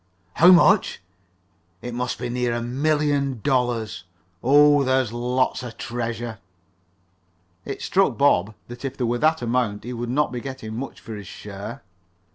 "How much? It must be near a million dollars. O h, there's lots of treasure!" It struck Bob that if there was that amount he would not be getting much for his share.